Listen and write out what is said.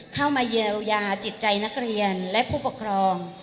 เข้ามาเยียวยาจิตใจนักเรียนและผู้ปกครอง